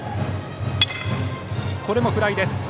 これもフライです。